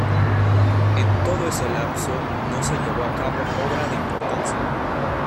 En todo ese lapso no se llevó a cabo obra de importancia.